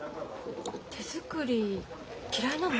手作り嫌いなの？